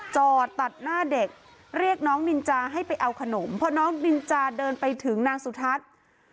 จอดตัดหน้าเด็กเรียกน้องนินจาให้ไปเอาขนมพอน้องนินจาเดินไปถึงนางสุทัศน์